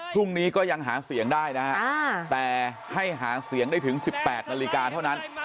พรุ่งนี้ก็ยังหาเสียงได้นะฮะแต่ให้หาเสียงได้ถึง๑๘นาฬิกาเท่านั้น